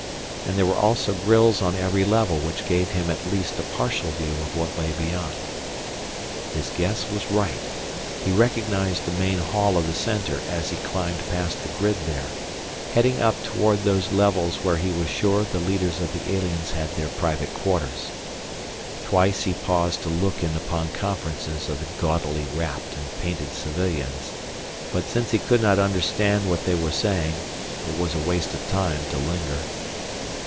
And there were also grilles on each level which gave him at least a partial view of what lay beyond. His guess was right; he recognized the main hall of the Center as he climbed past the grid there, heading up toward those levels where he was sure the leaders of the aliens had their private quarters. Twice he paused to look in upon conferences of the gaudily wrapped and painted civilians, but, since he could not understand what they were saying, it was a waste of time to linger.